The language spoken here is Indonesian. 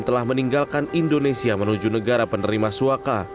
telah meninggalkan indonesia menuju negara penerima suaka